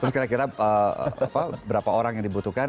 terus kira kira berapa orang yang dibutuhkan